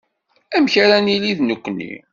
Amek ara nili d nekkni.